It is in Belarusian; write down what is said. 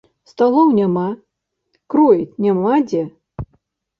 Сталоў няма, кроіць няма дзе.